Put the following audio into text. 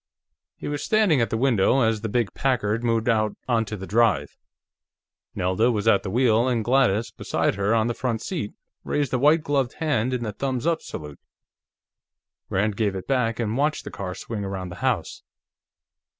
He was standing at the window as the big Packard moved out onto the drive. Nelda was at the wheel, and Gladys, beside her on the front seat, raised a white gloved hand in the thumbs up salute. Rand gave it back, and watched the car swing around the house.